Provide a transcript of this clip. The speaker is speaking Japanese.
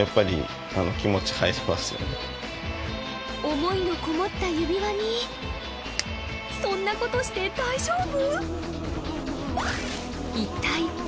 思いのこもった指輪にそんなことして大丈夫！？